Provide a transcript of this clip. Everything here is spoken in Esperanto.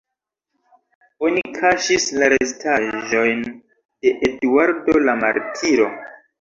Oni kaŝis la restaĵojn de Eduardo la martiro.